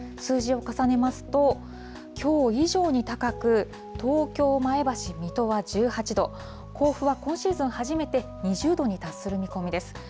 数字を重ねますと、きょう以上に高く、東京、前橋、水戸は１８度、甲府は今シーズン初めて２０度に達する見込みです。